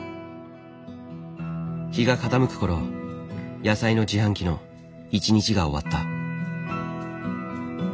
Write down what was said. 日が傾く頃野菜の自販機の一日が終わった。